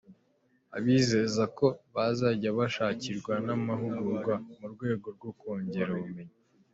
Abizeza ko bazajya bashakirwa n’amahugurwa mu rwego rwo kongera ubumenyi.